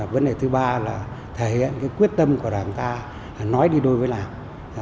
vấn đề thứ ba là thể hiện cái quyết tâm của đảng ta nói đi đối với đảng